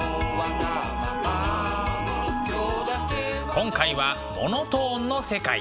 今回は「モノトーンの世界」。